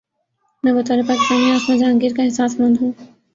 میں بطور پاکستانی عاصمہ جہانگیر کا احساس مند ہوں۔